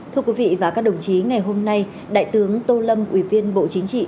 thưa quý vị và các đồng chí ngày hôm nay đại tướng tô lâm ủy viên bộ chính trị